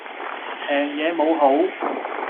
平嘢冇好